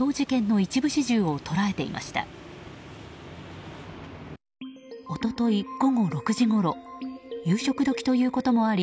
一昨日午後６時ごろ夕食時ということもあり